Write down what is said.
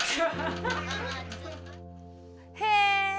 へえ！